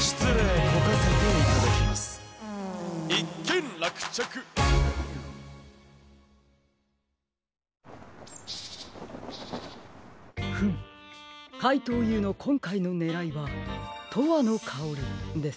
ん？フムかいとうＵのこんかいのねらいは「とわのかおり」ですか。